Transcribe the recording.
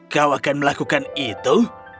kau akan melakukan itu